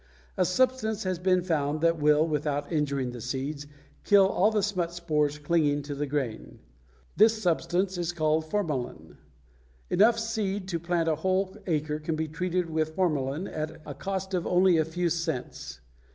A substance has been found that will, without injuring the seeds, kill all the smut spores clinging to the grain. This substance is called formalin. Enough seed to plant a whole acre can be treated with formalin at a cost of only a few cents.